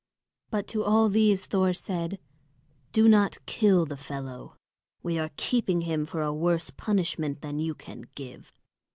But to all these Thor said, "Do not kill the fellow. We are keeping him for a worse punishment than you can give."